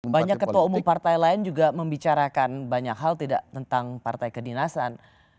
banyak ketua umum partai lain juga membicarakan banyak hal tidak tentang partai kedinasan